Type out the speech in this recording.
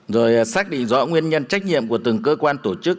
rồi xác định rõ nguyên nhân trách nhiệm của từng cơ quan tổ chức